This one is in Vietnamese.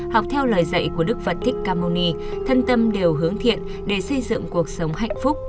học theo lời dạy của đức phật thích ca momi thân tâm đều hướng thiện để xây dựng cuộc sống hạnh phúc